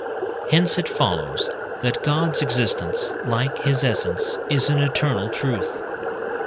Hence it follows that God's existence, like his essence, is an eternal truth.